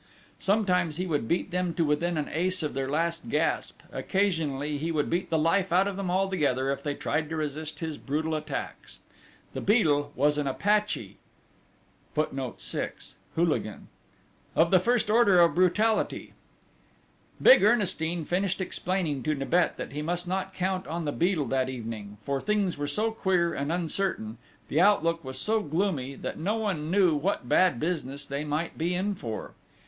Sometimes he would beat them to within an ace of their last gasp: occasionally he would beat the life out of them altogether if they tried to resist his brutal attacks. The Beadle was an Apache of the first order of brutality. [Footnote 6: Hooligan.] Big Ernestine finished explaining to Nibet that he must not count on the Beadle that evening, for things were so queer and uncertain, the outlook was so gloomy that no one knew what bad business they might be in for.